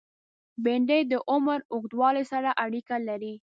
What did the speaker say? بېنډۍ د عمر اوږدوالی سره اړیکه لري